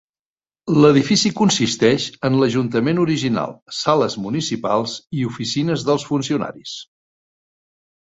L'edifici consisteix en l'ajuntament original, sales municipals i oficines dels funcionaris.